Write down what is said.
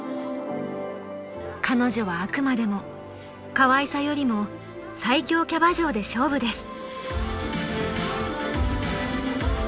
［彼女はあくまでもかわいさよりも最強キャバ嬢で勝負です］